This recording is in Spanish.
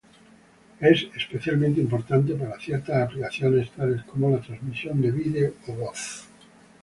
Es especialmente importante para ciertas aplicaciones tales como la transmisión de video o voz.